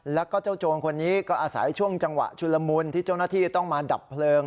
แล้วก็เจ้าโจรคนนี้ก็อาศัยช่วงจังหวะชุลมุนที่เจ้าหน้าที่ต้องมาดับเพลิง